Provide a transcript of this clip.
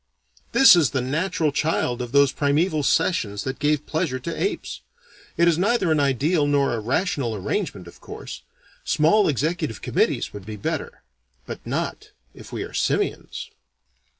This is the natural child of those primeval sessions that gave pleasure to apes. It is neither an ideal nor a rational arrangement, of course. Small executive committees would be better. But not if we are simians.